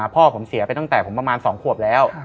พ่อผมเสียไปตั้งแต่ผมประมาณ๒ขวบแล้ว